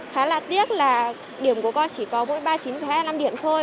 khá là tiếc là điểm của con chỉ có mỗi ba chín một mươi hai năm điểm thôi